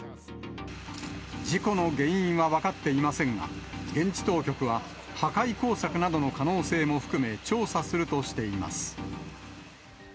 事故の原因は分かっていませんが、現地当局は、破壊工作などの可能性も含め、調査するとしています。